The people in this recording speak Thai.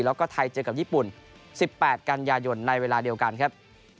แล้วก็ไทยเจอกับญี่ปุ่น๑๘กันยายนในเวลาเดียวกันครับ